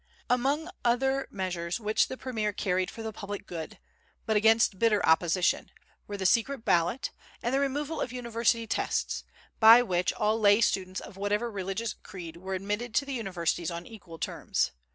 Among other measures which the premier carried for the public good, but against bitter opposition, were the secret ballot, and the removal of University Tests, by which all lay students of whatever religious creed were admitted to the universities on equal terms.